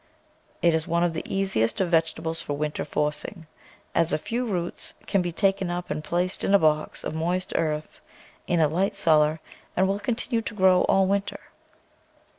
It is one of the easiest of vege tables for winter forcing, as a few roots can be taken up and placed in a box of moist earth in a light cellar and will continue to grow all winter.